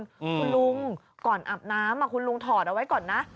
คุณลุงก่อนอาบน้ำคุณลุงถอดเอาไว้ก่อนนะ